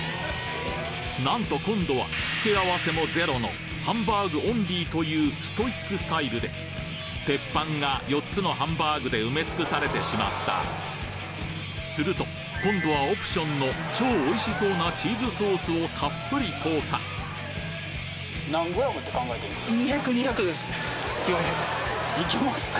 なんと今度は付け合わせもゼロのハンバーグオンリーというストイックスタイルで鉄板が４つのハンバーグで埋め尽くされてしまったすると今度はオプションの超おいしそうなチーズソースをたっぷり投下いけますか？